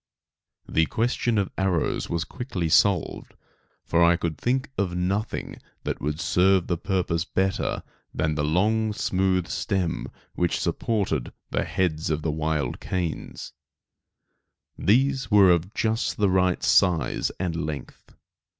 The question of arrows was quickly solved, for I could think of nothing that could serve the purpose better than the long smooth stem which supported the heads of the wild canes These were of just the right size and length.